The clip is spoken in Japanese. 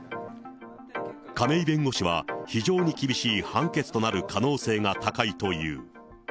亀井弁護士は、非常に厳しい判決となる可能性が高いという。